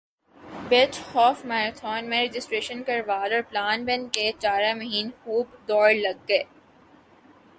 بیچ half marathon میں registration کروال اور پلان بن کہہ چارہ مہین خوب دوڑ لگ گے